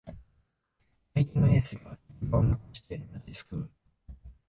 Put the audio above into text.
相手のエースが行き場をなくして立ちすくむ